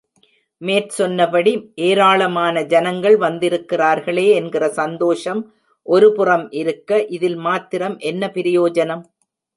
மேற்சொன்னபடி ஏராளமான ஜனங்கள் வந்திருக்கிறார்களே என்கிற சந்தோஷம் ஒரு புறம் இருக்க, இதில் மாத்திரம் என்ன பிரயோஜனம்.